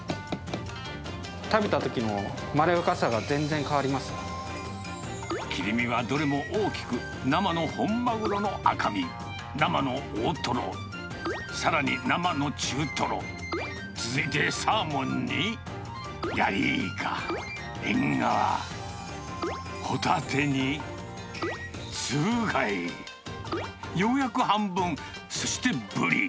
食べたときのまろやかさが全切り身はどれも大きく、生の本マグロの赤身、生の大トロ、さらに生の中トロ、続いてサーモンにヤリイカ、エンガワ、ホタテにツブ貝、ようやく半分、そしてブリ。